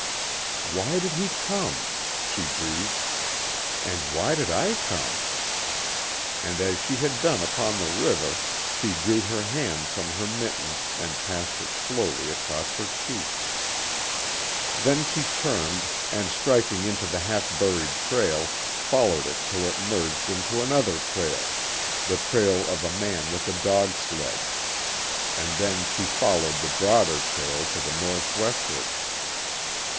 "Why did he come?" she breathed, "And why did I come?" And, as she had done upon the river, she drew her hand from her mitten and passed it slowly across her cheek. Then she turned, and striking into the half buried trail, followed it till it merged into another trail, the trail of a man with a dog sled, and then she followed the broader trail to the northwestward.